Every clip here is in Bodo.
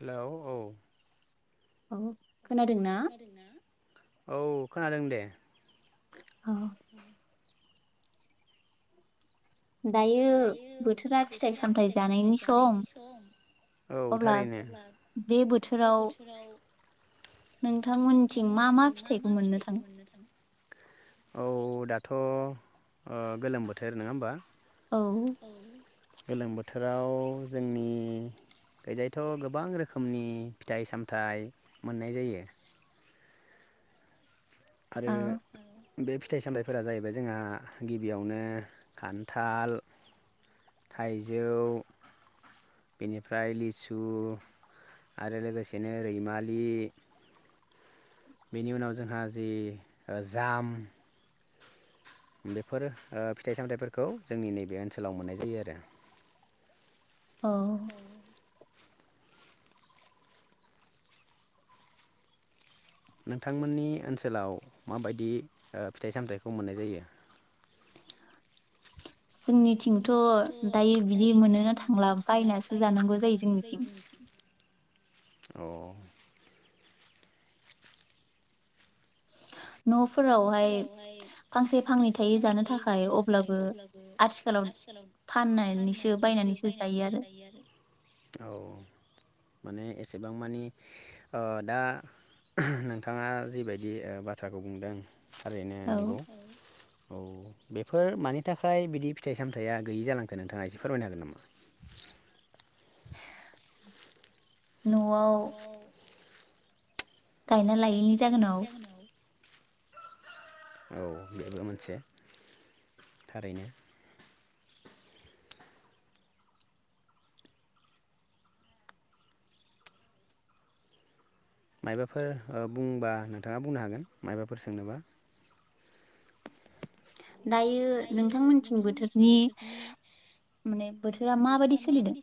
हेलौ औ। अ खोनादोंना? खोनादों दे। [unintelligible] औ थारैनो। नोंथांमोननिथिं मा मा फिथाइखौ मोननो थाङो? औ दाथ' ओ गोलोम बोथोर नोङा होमबा? औ। गोलोम बोथोराव जोंनि गैजायैथ' गोबां रोखोमनि फिथाइ सामथाइ मोननाय जायो। आरो बे फिथाइ सामथाइफोरा जाहैबाय जोंहा गिबियावनो खान्थाल, थाइजौ बेनिफ्राय लिसु आरो लोगोसेनो रैमालि बेनि उनाव जोंहा जि ओ जाम बेफोर ओ फिथाइ सामथाइफोरखौ जोंनि नैबे ओन्सोलाव मोननाय जायो आरो। अ। नोंथांमोननि ओन्सोलाव माबायदि ओ फिथाइ सामथाइखौ मोननाय जायो? जोंनिथिंथ' दायो बिदि मोनोना थांला बायनासो जानांगौ जायो जोंनिथिं। अ न'फोरावहाय फांसे फांनै थायै जानो थाखाय अब्लाबो आथिखालाव फाननानैसो बायनानैसो जायो आरो औ। माने एसेबां मानि ओ दा नोंथाङा जिबायदि बाथ्राखौ बुंदों थारैनो नंगौ औ। बेफोर मानि थाखाय बिदि फिथाइ सामथाइया गैयि जालांथों नोंथाङा एसे फोरमायनो हागोन नामा? न'आव गायना लायैनि जागोनाव औ बेबो मोनसे थारैनो। मायबाफोर ओ बुंबा नोंथाङा बुंनो हागोन मायबाफोर सोंनोबा। दायो नोंथांमोनथिं बोथोरनि माने बोथोरा माबायदि सोलिदों?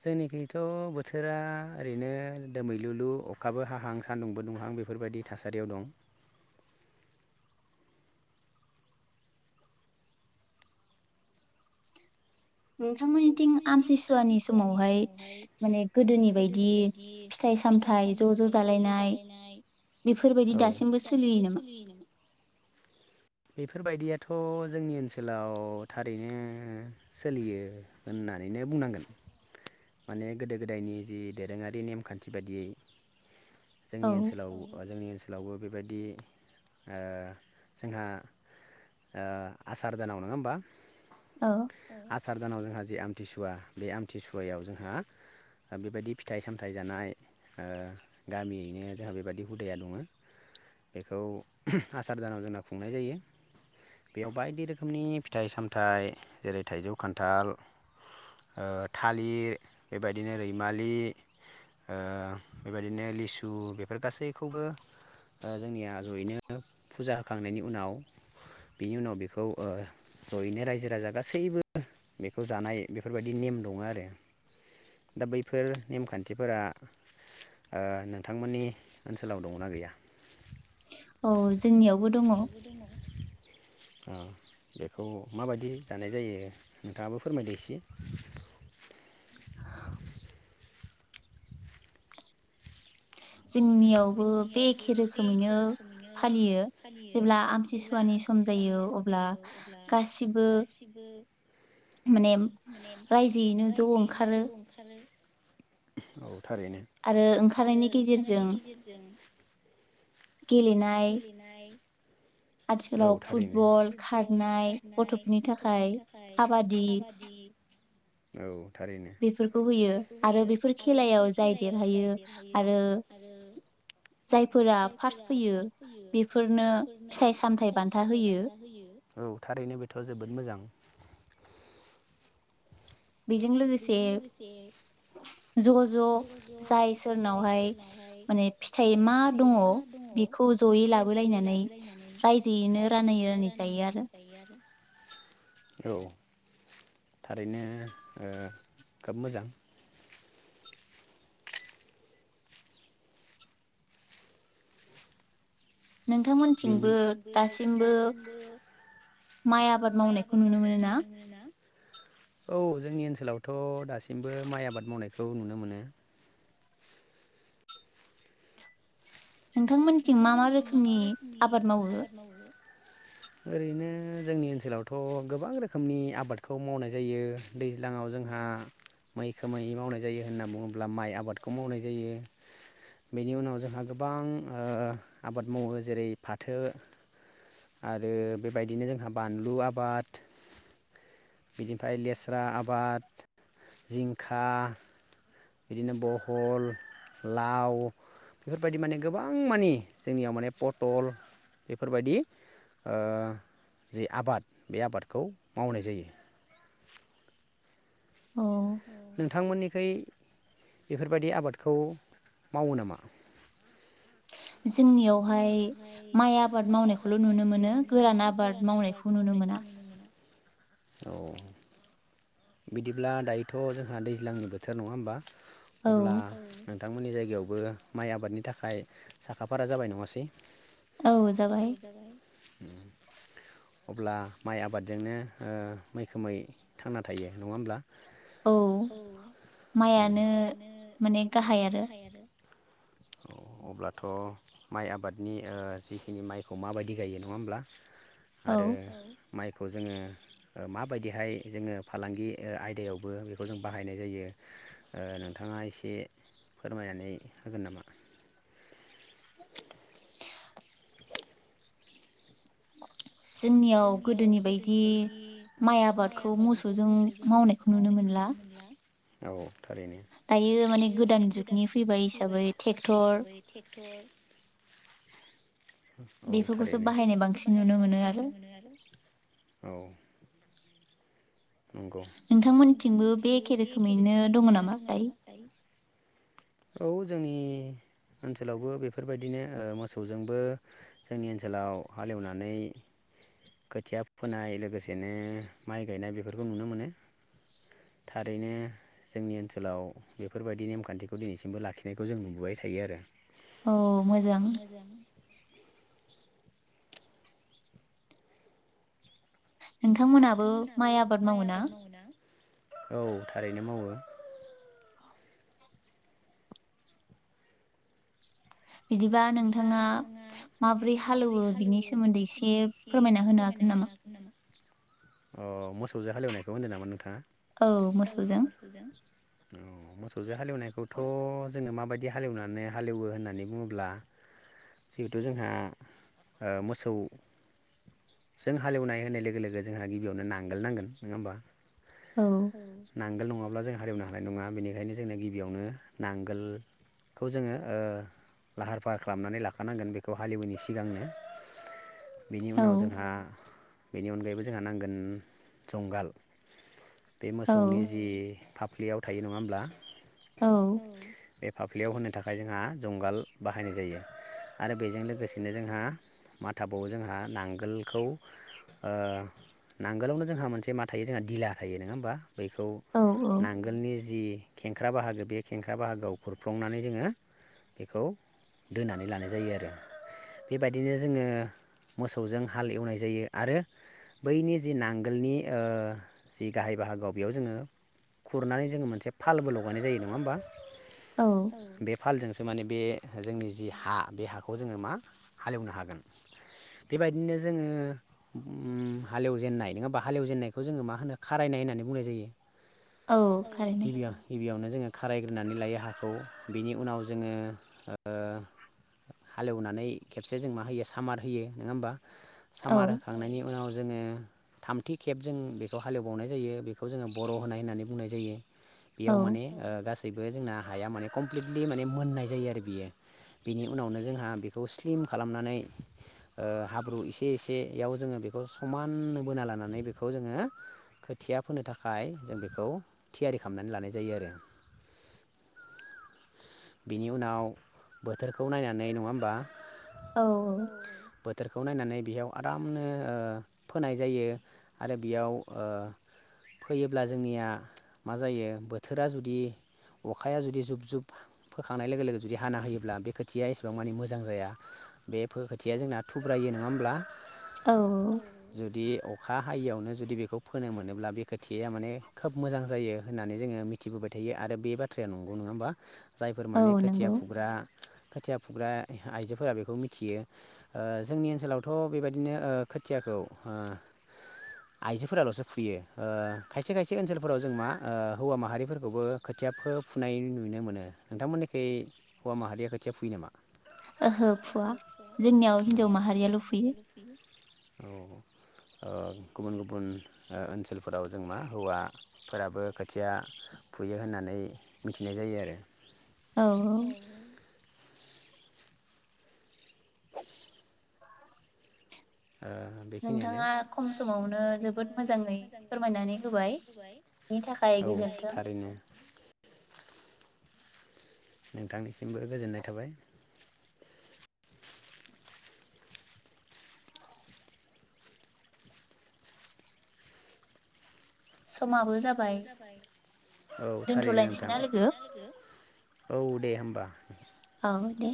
जोंनिखैथ' बोथोरा ओरैनो दोमैलुलु अखाबो हाहां सान्दुंबो दुंहां बेफोरबायदि थासारियाव दं। नोंथांमोननिथिं आमसिसुवानि समावहाय माने गोदोनि बायदि फिथाइ सामथाइ ज' ज' जालायनाय बेफोरबायदि दासिमबो सोलियो नामा? बेफोरबायदियाथ' जोंनि ओनसोलाव थारैनो सोलियो होननानैनो बुंनांगोन। माने गोदो गोदायनि जि दोरोङारि नेमखान्थि बायदियै जोंनि ओनसोलाव जोंनि ओनसो ओसोलावबो बेबायदि ओ जोंहा ओ आसार दानाव नङा होमबा? औ। आसार दानाव जोंहा जे आमथिसुवा बे आमथिसुवायाव जोंहा बेबायदि फिथाइ सामथाइ जानाय ओ गामियैनो जोंहा बेबायदि हुदाया दङ'। बेखौ आसार दानाव जोंना खुंनाय जायो। बेयाव बायदि रोखोमनि फिथाइ सामथाइ जेरै थाइजौ, खान्थाल ओ थालिर बेबायदिनो रैमालि ओ बेबाय दिनो लिसु बेफोर गासैखौबो जोंनिया ज'यैनो फुजा होखांनायनि उनाव बिनि उनाव बेखौ ओ ज'यैनो रायजो राजा गासैबो बेखौ जानाय बेफोरबायदि नेम दङ' आरो। दा बैफोर नेमखान्थिफोरा ओ नोंथांमोननि ओनसोलाव दङ'ना गैया? औ जोंनियावबो दङ'। ओ, बेखौ माबायदि जानाय जायो नोंथाङाबो फोरमायदो एसे। जोंनियावबो बेखे रोखोमैनो फालियो जेब्ला आमथिसुवानि सम जायो अब्ला गासिबो माने रायजोयैनो ज' ओंखारो औ। आरो ओंखारनायनि गेजेरजों गेलेनाय औ थारैनो फुटबल खारनाय गथ'फोरनि थाखाय काबादि औ थारैनो बेफोरखौ होयो आरो बेफोर खेलायाव जाय देरहायो आरो जायफोरा बेफोरनो नो फिथाइ सामथाइ बान्था होयो। औ थारैनो बेथ' जोबोद मोजां। बेजों लोगोसे ज' ज' जाय सोरनावहाय माने फिथाइ मा दङ' बेखौ जयै लाबोलायनानै रायजोयैनो रानैै रानै जायो आरो। थारैनो ओ खोब मोजां। नोंथांमोनथिंबो दासिमबो माइ आबाद मावनायखौ नुनो मोनो ना? औ जोंनि ओनसोलावथ' दासिमबो माइ आबाद मावनायखौ नुनो मोनो। नोंथांमोनथिं मा मा रोखोमनि आबाद मावो? ओरैनो जोंनि ओनसोलावथ गोबां रोखोमनि आबादखौ मावनाय जायो दैज्लाङाव जोंहा मैखोमै मावनाय जायो होनना बुङोब्ला माइ आबादखौ मावनाय जायो बेनि उनाव जोंहा गोबां ओ आबाद मावो जेरै फाथो आरो बेबायदिनो जोंहा बानलु आबाद बिनिफाय लेस्रा आबाद जिंखा बिदिनो बहल लाव बेफोरबायदि माने गोबां मानि जोंनियाव माने पथल बेफोरबायदि ओ जि आबाद बे आबादखौ मावनाय जायो। नोंथांमोननिखै बेफोरबायदि आबादखौ मावो नामा? जोंनियावहाय माइ आबाद मावनायखौल' नुनो मोनो गोरान आबाद मावनायखौ नुनो मोना। औ बिदिब्ला दायोथ' जोंहा दैज्लांनि बोथोर नङा होमबा? अब्ला औ थांमोननि जायगायावबो माइ आबादनि थाखाय साखा फारा जाबाय नङासै? औ जाबाय। अब्ला माइ आबादजोंनो ओ मैखोमै थांना थायो नङा होमब्ला? औ माइआनो माने गाहाय आरो। औ अब्लाथ' माइ आबादनि ओ जिखिनि माइखौ माबायदि गायो नङा होमब्ला आरो माइख खौ जोङो ओ माबायदिहाय जोङो फालांगि आयदायावबो बेखौ जों बाहायनाय जायो ओ नोंथाङा एसे फोरमायनानै होगोन नामा? [inaudible] [inaudible] जोंनियाव गोदोनि बायदि माइ आबादखौ मोसौजों मावनायखौ नुनो मोनला। औ थारैनो दायो माने गोदान जुगनि फैबाय हिसाबै टेक्टर बेफोरखौसो बाहायनाय बांसिन नुनो मोनो आरो। आरो औ नंगौ नोंथांमोनथिंबो बे एखे रोखोमैनो दंङ नामा दायो? औ जोंनि ओनसोलावबो बेफोरबायदिनो ओ मोसौजोंबो जोंनि ओनसोलाव हालेवनानै खोथिया फोनाय लोगोसेनो माइ गायनाय बेफोरखौ नुनो मोनो थारैनो जोंनि ओनसोलाव बेफोरबायदि नेमखान्थिखौ दिनैसिमबो लाखिनायखौ जों नुबोबाय थायो आरो। औ मोजां। नोंथांमोनहाबो माइ आबाद मावो ना? औ थारैनो मावो। बिदिब्ला नोंथाङा माबोरै हालेवो बिनि सोमोन्दै एसे फोरमायना होनो हागोन नामा? अ मोसौजो हालेवनायखौ होनदों नामा नोंथाङा? औ मोसौजों। अ मोसौजो हालेवनायखौथ' जोङो माबायदि हालेवनानै हालेवो होननानै बुङोब्ला जिहेथु जोंहा ओ मोसौ जों हालेवनाय होनाय लोगो लोगो जोंहा गिबियावनो नांगोल नांगोन नङा होमबा? औ नांगोल न ङाब्ला जों हालएवनो हानाय नङा बेनिखायनो जोंनो गिबियावनो नांगोल खौ जोङो ओ लाहार फाहार खालामनानै लाखानांगोन बेखौ हालएवनि सिगांनो। बिनि उनाव बेनि अनगायैबो जोंहा नांगोन जंगाल बे मोसौनि जि फा फाफ्लियाव थायो नङा होमब्ला? औ। फाफ्लियाव होनो थाखाय जोंहा जुंगाल बाहायनाय जायो आरो बेजों लोगोसेनो जोंहा मा थाबावो जोंहा नां गोलखौ ओ नांगोलावनो जोंहा मोनसे मा थायो जोंहा दिला थायो नङा होमबा? बैखौ नांगोलनि जि खेंख्रा बाहागो बे खेंख्रा बाहागोआव खुरफ्लंनानै जोङो बेखौ दोनानै लानाय जायो आरो बेबायदिनो जोङो मोसौ जों हाल एवनाय जायो आरो बैनि जि नांगोलनि ओ जि गाहाय बाहागो बेयाव जोङो खुरनानै जोङो मोनसे फालबो लगायनाय जायो नङा होमबा? बे फालजोंसो माने बे जोंनि जि हा बे हाखौ जोङो मा हालेवनो हागोन। बेबायदिनो जोङो उम हालेवजेनन्नाय नङा होमबा हालेवजेननायखौ जोङो मा होनो खारायनाय होननानै बुंनाय जायो। औ गिबियाव गिबियावनो जोङो खारायग्रोनानै लायो हाखौ बिनि उनाव जोङो ओ हालेवनानै खेबसे जों मा होयो सामार होयो। नोङा होमबा? सामार होखांनायनि उनाव जोङो थामथि खेब जों बेखौ हालेवबावनाय जायो बेखौ जोङो बर' होनाय होननानै बुंनाय जायो। बेयाव माने ओ गासै गासैबो जोंना हाया माने कमप्लिटलि माने मोननाय जायो आरो बियो बिनि उनावनो जोंहा बेखौ स्लिम खालामनानै ओ हाब्रु एसे एसेयाव जोङो बेखौ समाननो बोना लानानै बेखौ जोङो खोथिया फोनो थाखाय जों बेखौ थियारि खालामनानै लानाय जायो आरो बिनि उनाव बोथोरखौ नायनानै नङा होमबा औ औ। बोथोरखौ नायनानै बेयाव आरामनो ओ फोनाय जायो आरो बेयाव ओ फोयोब्ला जोंनिया मा जायो बोथोरा जुदि अखाया जुदि जुब जुब फोखांनाय लोगो लोगो जुदि हाना होयोब्ला बे खोथिया एसेबां मानि मोजां जाया बे खोथिया जोंना थुब्रायो नङा होमब्ला? औ जुदि अखा हायियावनो जुदि बेखौ फोनो मोनोब्ला बे खोथिया या माने खोब मोजां जायो होननानै जोङो मिथिबोबाय थायो आरो बे बाथ्राया नंगौ नङा होमबा? जायफोर माने खोथिया फुग्रा खोथियाब फुग्रा आइजोफोरा बेखौ मिथियो ओ जोंनि ओनसोलावथ बेबायदिनो ओ खोथियाखौ ओ आइजोफोरालसो ओ फुयो खायसे खायसे ओनसोलफोराव जों मा ओ हौवा माहारिफोरखौबो खोथिया फो फुनाय नुनो मोनो नोंथांमोननिखै हौवा माहारिया खोथिया फुयो नामा? ओहो फुवा जों जोंनियाव हिन्जाव माहारियाल' फुयो। औ ओ गुबुन गुबुन ओ ओनसोलफोराव जों मा हौवाफोराबो खोथिया फुयो होननानै मिथिनाय जायो आरो। औ औ ओ बेखिनियानो नोंथाङा खम समावनो जोबोद मोजांयै फोरमायनानै होबाय औ थारैनो बेनि थाखाय नोंथांनिसिमबो गोजोननाय थाबाय। समाबो जाबाय औ थारैनो नोंथां दोनथलायनोसै ना लोगो औ दे होमबा। औ दे।